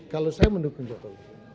kalau saya mendukung jokowi